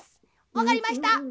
わかりました！